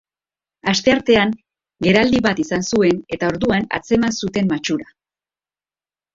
Asteartean geraldi bat izan zuen eta orduan atzeman zuten matxura.